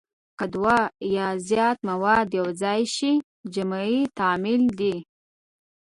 که دوه یا زیات مواد یو ځای شي جمعي تعامل دی.